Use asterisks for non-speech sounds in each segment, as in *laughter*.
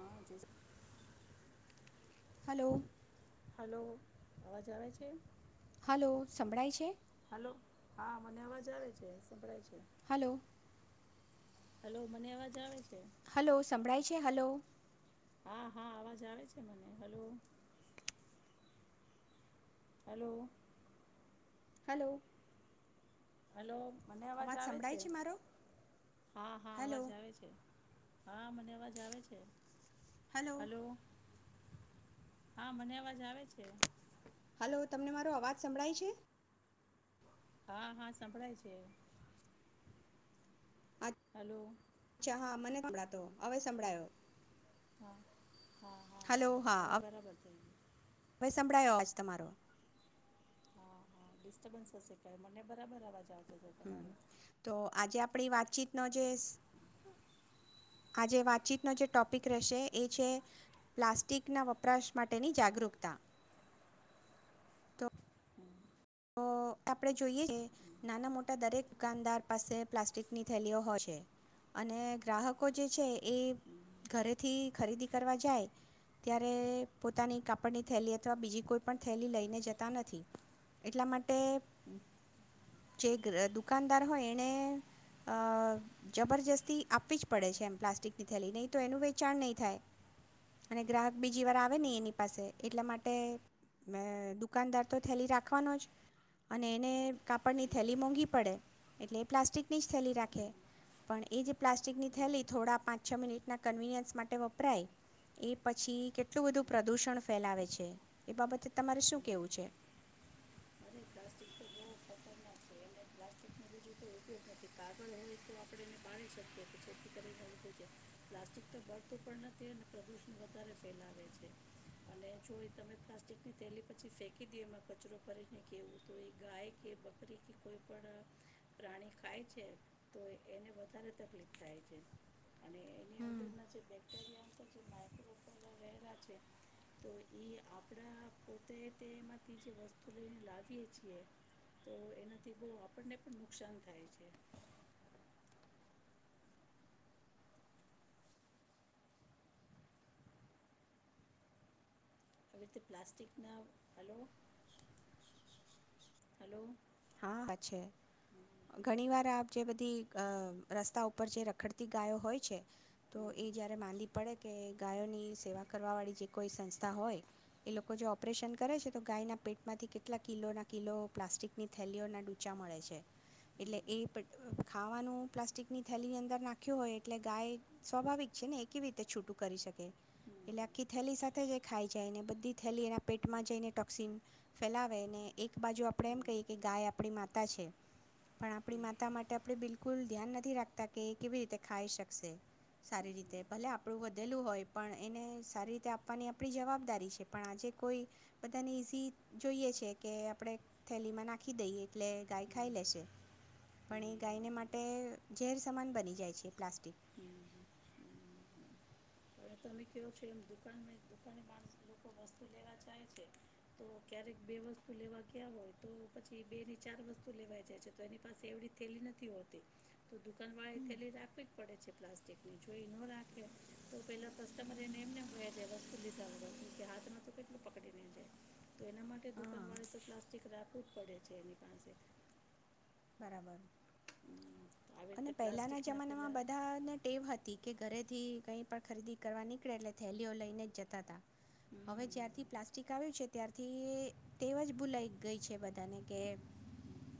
હા, જે. *inaudible* Hello. Hello, અવાજ આવે છે? હલો, સંભળાય છે? હલો, હા, મને અવાજ આવે છે. સંભળાય છે. હલો. હલો, મને અવાજ આવે છે. હલો, સંભળાય છે? હલો? હા, હા, અવાજ આવે છે મને. હલો. હેલો. હલો. હલો. મને અવાજ આવે છે. હા, હા, હલો અવાજ આવે છે. હા, મને અવાજ આવે છે. હલો. હા, મને અવાજ આવે છે. હલો, તમને મારો અવાજ સંભળાય છે? હા, હા, સંભળાય છે. હલો. અચ્છા, હા. મને હભળાતો હવે સંભળાયો. હા હા, હા, હા હવે બરાબર થઈ ગ્યું. હવે સંભળાયો અવાજ તમારો. હા, હા, ડિસ્ટર્બન્સ હશે કાય મને બરાબર અવાજ આવ હમ્મ, તો આજે આ પણી વાતચીતનો જે સ આજે વાતચીતનો જે ટોપિક રહેશે એ છે, પ્લાસ્ટિકના વપરાશ માટેની જાગૃકતા. તો આપણે જોઈએ કે નાના મોટા દરેક દુકાનદાર પાસે પ્લાસ્ટિકની થેલીઓ હોય છે. અને ગ્રાહકો જે છે એ ઘરેથી ખરીદી કરવા જાય ત્યારે પોતાની કાપડની થેલી અથવા બીજી કોઈ પણ થેલી લઈને જતા નથી. એટલા માટે જે ગ્ર દુકાનદાર હોય એણે અ જબરજસ્તી આપવી જ પડે છે એમ પ્લાસ્ટિકની થેલી, નહીં તો એનું વેચાણ નહીં થાય અને ગ્રાહક બીજી વાર આવે નહીં એની પાસે. એટલા માટે અ દુકાનદાર તો થેલી રા ખવાનો જ અને એને કાપડની થેલી મોંઘી પડે એટલે એ પ્લાસ્ટિકની જ થેલી રાખે. પણ, એ જે પ્લાસ્ટિકની થેલી થોડા પાંચ છ મિનિટના કન્વીનિયન્સ માટે વપરાય એ પછી કેટલું બધું પ્રદૂષણ ફેલાવે છે. એ બાબતે તમારે શું કહેવું હમ છે? *inaudible* પ્લાસ્ટિકનું બીજું કોઈ ઉપયોગ નથી. કાગળ હોય તો આપણે એને બાળી શકીએ કે જેથી કરીને *inaudible* પ્લાસ્ટિક તો બળતું પણ નથી અને પ્રદુષણ વધારે ફેલાવે છે. અને જોએ તમે પ્લાસ્ટિકની થેલી પછી ફેંકી દયો એમાં કચરો ભરીને કેવું, તો એ ગાય કે બકરી કે કોઈ પણ પ્રાણી ખાય છે. તો એને વધારે તકલીફ થાય છે. અને એની હમ્મ. અંદરના જે છે તો એ આપણા પોતે તેમાંથી જે વસ્તુ લઈને લાગે. આપ તો એનાથી બહ આપણને પણ નુકસાન થાય છે. આવી રીતે પ્લાસ્ટિકના હલો હલો. હા હા છે ઘણી વાર આપ. જે બધી રસ્તા ઉપર જે રખડતી ગાયો હોય છે તો એ હમ, જ્યારે માંડીદી પડે કે ગાયોની સેવા કરવાવાળી જે કોઈ સંસ્થા હોય એ લોકો જો ઓપરેશન કરે છે તો ગાયના પેટમાંથી કેટલા કિલોના કિલો પ્લાસ્ટિક. ની થેલીઓના ડૂચા મળે છે એટલે હમ, એ ખાવાનું પ્લાસ્ટિકની થેલીની અંદર નાખ્યું હોય એટલે ગાય સ્વાભાવિક છે ને એ કેવી રીતે છૂટું કરી શકે હમ, એટલે આખી થેલી સાથે જે ખાઈ જાય ને બધી થેલી એના હમ, હમ, પેટમાં જઈને ટોક્સિન ફેલાવે ને એક બાજુ આપણે હમ, હમ, એમ કહીએ. કે ગાય આપણી માતા છે પણ આપણી માતા માટે આપણે બિલકુલ ધ્યાન નથી રાખતા કે એ કેવી રીતે ખાઈ શકશે સારી રીતે ભલે આપણું વધેલું હોય પણ એને સારી રીતે આપવાની આપણી જવાબદારી છે પણ આજે કોઈ બધાને ઇઝી જોઈએ છે કે આપણે થેલીમાં નાખી. રાખી દઈએ એટલે ગાય ખાઈ લેશે પણ એ ગાયને માટે ઝેર સમાન બની જાય છે પ્લાસ્ટિક. હમ, હમ, હમ, હમ, અનેવે તમે કેવો છો એમ દુકાનમાં દુકાની માણસ લોકો વસ્તુ લેવા જાય છે તો ક્યારેક બે વસ્તુ લેવા ગયા હોય તો પછી બે ની ચાર વસ્તુ લેવા જાય છે તો એની પાસે એવડી થેલી નથી હોતી. તો દુકાન વાળા હમ થેલી રાખવી જ પડે છે. પ્લાસ્ટિકની જોઈ ન રાખે. તો પહેલાં કસ્ટમર એને એમનેમ કહે છેાય વસ્તુ લીધા કે હાથમાં તો કેટલું પકડીને જાય તો એના માટે હા દુકાનવાળે તો પ્લાસ્ટિક રાખવું જ પડે છે એની પાસે. બરાબર. હમ, તો આવી અને રીતે પહેલાના પ્લાસ્ટિકના જમાનામાં પેલા બધાને ટેવ હતી કે ઘરે. થી કઈ પણ ખરીદી કરવા નીકળે એટલે થેલીઓ લઈને જતા તા હમ, હમ, હમ, હમ, હવે હમ, હમ. જ્યારથી પ્લાસ્ટિક આવ્યું છે ત્યારથી ટેવ જ ભૂલાઈ ગઈ છે બધાને કે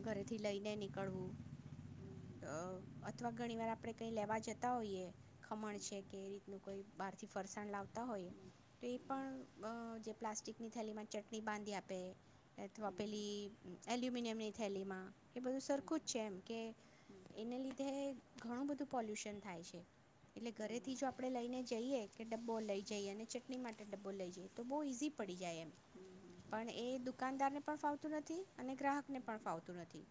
ઘરેથી લઈ. ને નીકળવું અથવા ઘણી વાર આપણે કઈ લેવા જતા હોઈએ ખમણ છે કે એ રીતનું કોઈ બહારથી ફરસાણ લાવતા હોઈએ તો એ પણ જે પ્લાસ્ટિકની થેલી માં ચટણી બાંધી આપે. અથવા પેલી. એલ્યુમિનિયમ ની થેલી માં. એ બધું સરખું જ છે એમ કે એને લીધે. ઘણું બધું પોલ્યુશન થાય છે એટલે ઘરેથી જો આપણે અમે લઈને જઈએ કે ડબ્બો લઈ જઈએ અને ચટણી માટે ડબ્બો લઈ જઈએ તો બહુ ઈઝી પડી જાય એમ પણ એ દુકાનદારને પણ ફાવતું નથી અને ગ્રાહકને પણ ફાવતું નથી.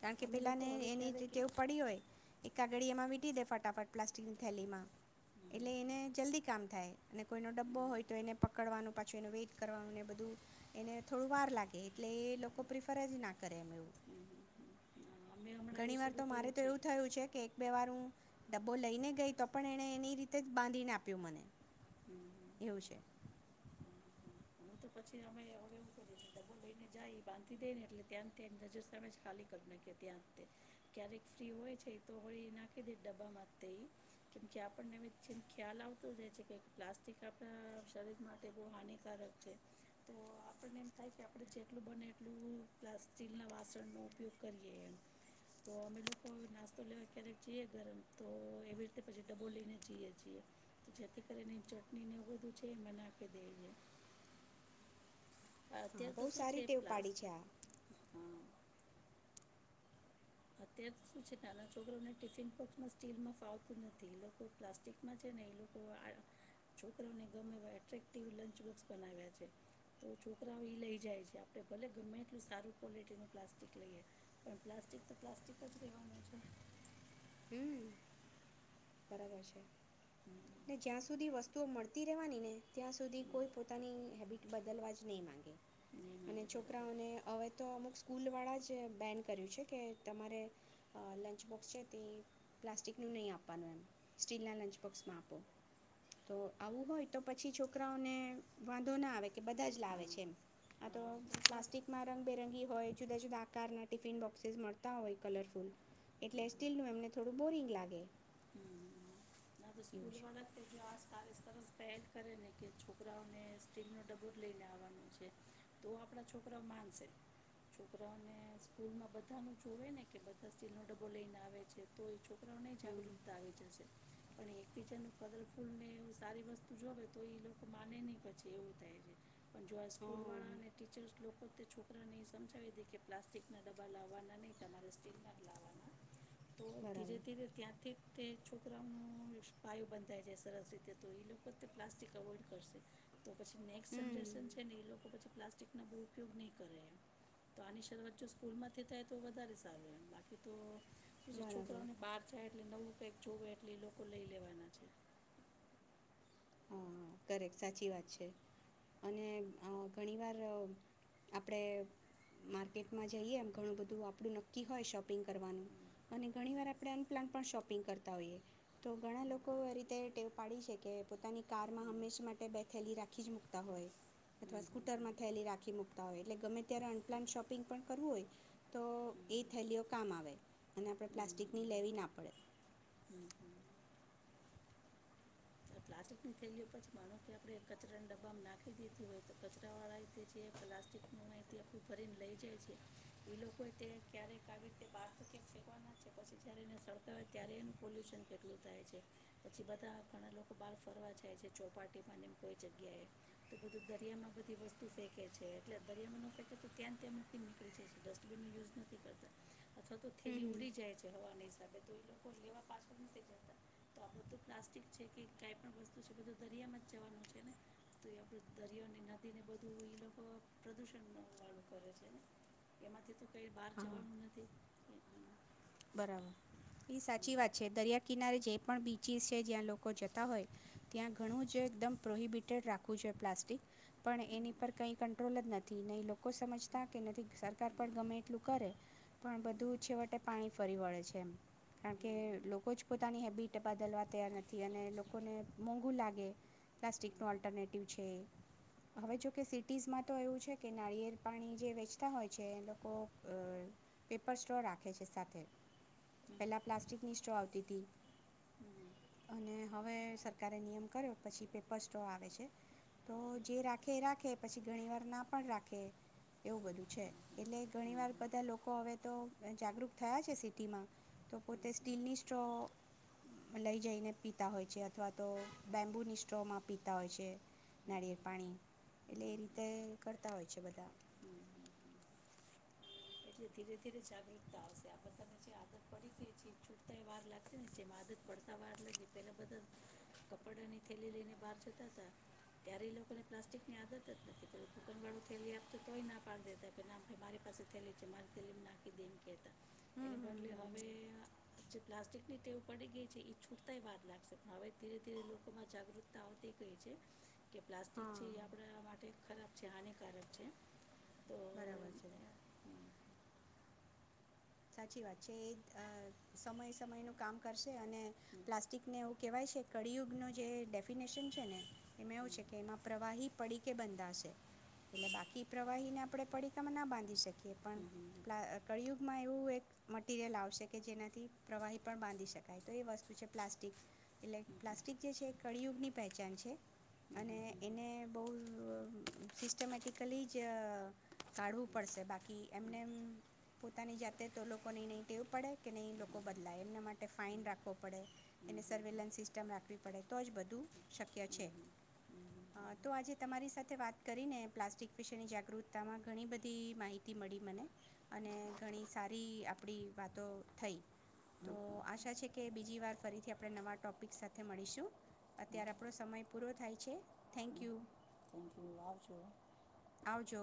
કારણ કે લોકો પેલાને હવે એની જે ક્યારેક ટેવ પડી હોય. એક કાગળીયામાં વીંટી દે ફટાફટ પ્લાસ્ટિકની થેલીમાં અમે એટલે એને જલ્દી કામ થાય અને કોઈનો ડબ્બો હોય તો એને પકડવાનું પાછું એનું વેઇટ કરવાનું એને બધું એને થોડું વાર લાગે એટલે એ લોકો પ્રિફર જ ના કરે કરે હમણાં એવું ઘણી વાર તો શરૂ મારે કર્યું તો છે એવું થયું છે કે. બેવાનું ડબ્બો લઈને ગઈ તો પણ એને એની રીતે જ બાંધીને આપ્યું મને એવું છે. હું તો પછી અમે હવે એઉ કરી કે ડબ્બો લઈને જાય બાંધી દઈ ને એટલે ત્યાં ત્યાંની નજર સામે જ ખાલી કરી નાખીએ ત્યાં તે ક્યારેક ફ્રી હોય છે એ તો હળ એ નાખી દે ડબ્બામાં તે એ કેમ કે આપણને જેમ જેમ ખ્યાલ આવતો જ રહે છે કે પ્લાસ્ટિક આપણા શરીર માટે બહુ હાનિકારક છે. તો આપણને એમ થાય કે આપણે જેટલું બને એટલું પ્લાસ્ટીલ ના વાસણનો ઉપયોગ કરીએ એમ તો અમે લોકો નાસ્તો લેવા ક્યારેક જઈએ ગરમ તો એવી રીતે પછી ડબો લઈને જઈએ છીએ તો જેથી કરીને ચટણીને એવુ બધું છે નાખી દેએ. હા અત્યારે તો બહુ શું છે સારી ટેવ પ્લાસ પાડી છે આ હા. અત્યારે તો શુ છે નાના છોકરાને ટિફિન બોક્સમાં સ્ટીલમાં ફાવતું નથી એ લોકો પ્લાસ્ટિકમાં છે ને એ લોકો છોકરાને ગમે એટ્રેક્ટિવ લંચ બોક્સ બનાવ્યા છે તો છોકરાઓ એ લઈ જાય છે આપણે ભલે ગમે એટલું સારું ક્વોલિટીનું પ્લાસ્ટિક લઈએ પણ પ્લાસ્ટિક પ્લાસ્ટિક જ રહેવાનું છે. હમ. બરાબર છે હમ, ને જ્યાં સુધી વસ્તુઓ મળતી રહેવાની ને ત્યાં સુધી હમ. કોઈ પોતાની હેબિટ બદલવા જ નહી માંગે નહીં અને મળે બરાબર છોકરાઓને હવે તો અમુક સ્કૂલ વાળા જ બેન કર્યું છે કે તમારે લંચ બોક્સ છે તે પ્લાસ્ટિક નું નહી આપ આપવાનું એમ સ્ટીલના લંચ બોક્સમાં આપો તો આવું હોય તો પછી છોકરાઓને વાંધો ના આવે કે બધા જ લાવે હા છે એમ આ તો હા સારું પ્લાસ્ટિકમાં રંગબેરંગી હોય જુદા જુદા આકાર નથી. ટિફિન બોક્સેસ મળતા હોય કલરફુલ હમ, એટલે હમ. સ્ટીલનું એમને થોડું બોરિંગ લાગે. હમ ના તો એવું સ્કૂલ છે વાન ગ સારીસ સરસ પહેન કરે ને કે છોકરાઓને સ્ટીલનો ડબ્બો લઈને આવવાનો છે તો આપણા છોકરાઓ માનશે છોકરાઓને સ્કૂલમાં બધાનું જોવે ને કે બધા સ્ટીલનો ડબ્બો લઈને આવે છે તો એ છોકરા ની હમ જાગૃતતા આવી જશે. પણ એક કીચન કલર ફૂલને એવ સારી વસ્તુ જોવે તો એ લોકો માને નહ પછી એવું થાય છે. પણ જો આ સ્કૂલ વાળા અને ટીચર્સ લોકો મને એ સમજાવી દી કે પ્લાસ્ટિકના ડબ્બા લાવવાના નહીં તમારે સ્ટીલના લાવવાના. તો હ ધીરે બરાબર ધીરે ત્યાંથી તે છોકરા પાયુ બંધાય છેાય સરસ રીતે તો એ લોકો તે પ્લાસ્ટિક અવોઈડ કરશે. તો પછી નેક્સ્ટ હમ જનરેશન છે ને એ લોકો પછી પ્લાસ્ટિકનો બહુ ઉપયોગ નહીં કરે તો આની શરૂઆત જો સ્કૂલમાંથી થાય તો વધારે સારું એમ બાકી તો પછી બરાબર છોકરાઓને બહાર જાય એટલે નવું એકચું આટલી લોકો લઈ લેવાના છે. હા કરેક સાચી વાત છે અને અ ઘણીવાર આપણે માર્કેટમાં જઈએ એમ ઘણું બધું આપણું નક્કી હોય શોપિંગ કરવાનું હમ અને ઘણીવાર આપણે અનપ્લાન પણ શોપિંગ કરતા હોઈએ તો ઘણા લોકો એ રીતે ટેવ પાડી છે કે પોતાની હમ કારમાં હંમેશા માટે બે થેેલી રાખી જ મુૂકતા હોય અથવા હમ હમ હમ હમ હમ હમ સ્કૂટરમાં થેલી રાખ નાખી મૂકતા હોય એટલે ગમે ત્યારે અનપ્લાઇન શોપિંગ પણ કરવું હોય તો એ થેલીઓ કામ આવે અને આપણે પ્લાસ્ટિકની લેવી ના પડે. હમ્મ, હમ્મ. પ્લાસ્ટિકની થેલીઓ પછી માનું કે આપણે કચરાને ડબ્બામાં નાખી દીધી હોય તો કચરાવાળાએ તે જે પ્લાસ્ટિકનું અહીથી આપણું ભરીને લઈ જાય છે એ લોકોએ તે ક્યારેક આવી રીતે બહાર તો ક્યાંક ફેકવાના છે પછી જ્યારે એને સળગા હોય ત્યારે એનું પોલ્યુશન કેટલું થાય છે પછી બધા ઘણા લોક બાર ફરવા જાય છે ચોપાટીમાં એમ કોઈ જગ્યાએ તો બધું દરિયામાં બધી વસ્તુ ફેંકે છે એટલે દરિયામાં ન ફેંકે તો ત્યાં ત્યાં મૂકી નીકળી જાય છે. ડસ્ટબિનનો યુઝ નથી કરતા અથવા તો હમ થેલી હમ ઉડી જાય છે હવાની ત તો એ લોકો લેવા પાછળ નથી જતા તો આપણું તો પ્લાસ્ટિક છે કે કાંઈ પણ વસ્તુ છે બધું દરિયામાં જ જવાનું છે ને તો એ આપું દરિયાને નદીને બધું એ લોકો પ્રદૂષણનું વાળું વાળું કરે છે ને એમાંથી તો કઈ બહાર હા જવાનું નથી. હમ, હમ, હમ, હમ, બરાબર, ઈ સાચી વાત છે. દરિયા કિનારે જે પણ બીચિસ છે જ્યાં લોકો જતા હોય ત્યાં ઘણું જો એકદમ પ્રોહિબિટેડ રાખવું જોઈએ, પ્લાસ્ટિક પણ હમ, હમ, હમ, એની પર કઈ કંટ્રોલ જ નથી, નહી લોકો સમજતા કે નથી સરકાર પણ ગમે એટલું કરે પણ બધું છેવટે પાણી ફરી વળે છે એમ કારણ કે લોકો જ પોતાની હેબિટ બદલવા તૈયાર નથી અને લોકોને મોંઘું લાગે પ્લાસ્ટિકનો ઓલ્ટરનેટિવ છે એ હવે જોકે સિટીઝમાં તો એવું છે કે નાળિયેર પાણી જે વેચતા હોય છે એ લોકો અ પેપર સ્ટ્રો રા ખે છે સાથે પહેલા પ્લાસ્ટિકની સ્ટ્રો આવતી તી અને હવે સરકારે નિયમ કર્યો પછી પેપર સ્ટ્રો આવે છે તો જે રાખે એ રાખે પછી ઘણી વાર ના પણ રાખે એવું હમ, હમ, હમ, હમ, હમ, બધું છે. એટલે હમ, ઘણીવાર બધા લોકો હવે તો જાગૃત થયા છે સિટીમાં તો પોતે હમ, સ્ટીલની સ્ટ્રો અ લઈ જઈને પીતા હોય છે અથવા તો બેૅમ્બુની સ્ટ્રોમાં પીતા હોય છે નારિયેળ પાણી એટલે હમ, એ રીતે કરતા હોય છે બધા. હમ, હમ, હમ, એટલે ધીરે ધીરે જાગૃતતા આવશે આ બધાને જે આદત પડી તી જે છૂટતા વાર લાગશે ને જેમ આદત પડતા વાર લાગી પેલા બધા કપડા ની થેલી લઈને બહાર જતા હતા ત્યારે લોકોને પ્લાસ્ટિક ની આદત જ નથી. પર દુકાન વાળું થેલી આપતું તોય ના પાડી દેતા કે નાાઈ મારી પાસે થેલી જે માર થેલીમાં ખી દે એમ કેતા. એને હમ હમ બદલે હમ હવે જે પ્લાસ્ટિક ની ટેવ પડી ગઈ છે એ છૂટતાય વાર લાગશે પણ હવે ધીરે ધીરે લોકોમાં જાગૃતતા આવતી ગઈ છે. કે પ્લાસ્ટિક છે હા એ આપણા માટે ખરાબ છે હાનિકારક છે. તો બરાબર છે. અમ, સાચી વાત છે એત સમય સમય નું કામ કરશે. અને થેન્ક યુ પ્લાસ્ટિકને કહેવાય છે કળિયુગનું જે ડેફિનેશન છે ને એમાં એવું છે કે એમાં પ્રવાહી પડીકે બંધાશે એટલે બાકી પ્રવાહીને આપણે પડીકામાં ના બાંધી શકીએ પણ કળિયુગમાં એ વું એક મટિરિયલ આવશે કે જેનાથી પ્રવાહી પણ બાંધી શકાય તો એ વસ્તુ છે પ્લાસ્ટિક એટલે પ્લાસ્ટિક જે છે એ કળિયુગની પહેચાન છે અને એને બહુ સિસ્ટમેટિકલી જ કાઢવું પડશે બાકી એમને પોતાની જાત તે તો લોકોને નહીં ટેવ પડે કે નહીં એ લોકો બદલાય એમના માટે ફાઇન રાખવો પડે. એને સર્વેલન્સ સિસ્ટમ રાખવી. પડે તો જ બધું શક્ય છે અ તો આજે તમારી સાથ. તે વાત કરીને પ્લાસ્ટિક વિશેની જાગૃતતામાં ઘણી બધી માહિતી મળી મને અને ઘણી સારી આપણી વાતો થઈ. તો આશા છે કે બીજી વાર ફરીથી આપ આપણે નવા ટોપિક સાથે મળીશું. અત્યારે આપણો સમય પૂરો થાય છે. થેન્ક યુ *inaudible* આવજો.